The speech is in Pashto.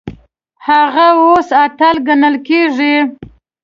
هغه اوس اتل ګڼل کیږي.